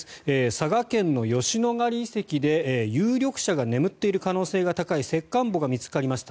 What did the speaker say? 佐賀県の吉野ヶ里遺跡で有力者が眠っている可能性が高い石棺墓が見つかりました。